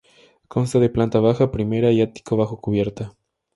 Consta de planta baja, primera y ático bajo cubierta.